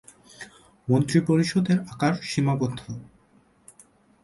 মন্ত্রিপরিষদের আকার সীমাবদ্ধ।